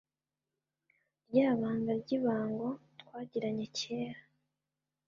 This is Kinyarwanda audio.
rya banga ry'ibango twagiranye kera